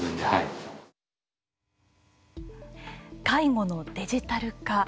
介護のデジタル化。